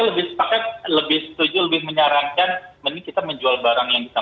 kalau saya lebih setuju lebih menyarankan